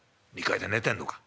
２階で寝てんのか。